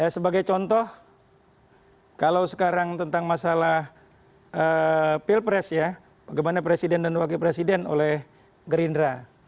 sebagai contoh kalau sekarang tentang masalah pilpres ya bagaimana presiden dan wakil presiden oleh gerindra